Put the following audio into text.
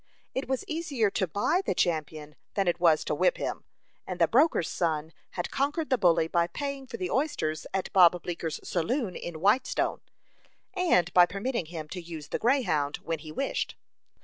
It was easier to buy the champion than it was to whip him, and the broker's son had conquered the bully by paying for the oysters at Bob Bleeker's saloon in Whitestone, and by permitting him to use the Greyhound when he wished.